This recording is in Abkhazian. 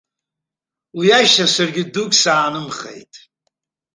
Уи ашьҭахь саргьы дук саанымхеит.